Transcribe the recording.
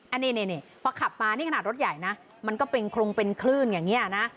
อันนี้พอขับมานี่ขนาดรถใหญ่นะมันก็เป็นโครงเป็นคลื่นอย่างนี้นะ